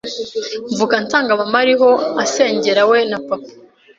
mvuka nsanga mma ariho asengera we na papa